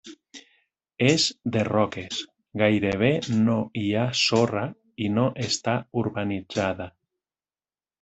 És de roques, gairebé no hi ha sorra i no està urbanitzada.